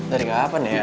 dari kapan ya